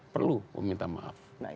perlu meminta maaf